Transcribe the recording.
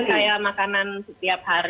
kayak makanan setiap hari